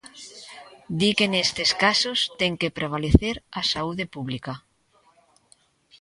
Di que nestes casos ten que prevalecer a saúde pública.